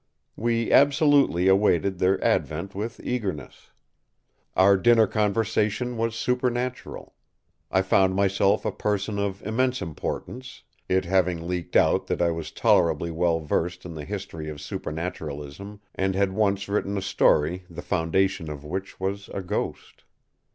We absolutely awaited their advent with eagerness. Our dinner conversation was supernatural. I found myself a person of immense importance, it having leaked out that I was tolerably well versed in the history of supernaturalism, and had once written a story the foundation of which was a ghost.